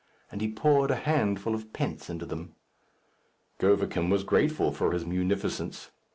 And he poured a handful of pence into them. Govicum was grateful for his munificence.